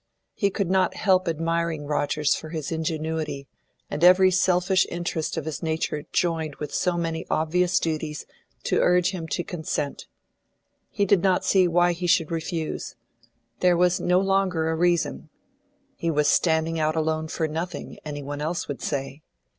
He could not help admiring Rogers for his ingenuity, and every selfish interest of his nature joined with many obvious duties to urge him to consent. He did not see why he should refuse. There was no longer a reason. He was standing out alone for nothing, any one else would say.